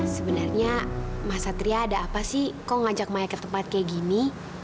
sebenarnya mas satria ada apa sih kok ngajak maya ke tempat kayak gini